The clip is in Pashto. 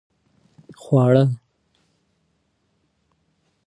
هغې لنډۍ وویلې.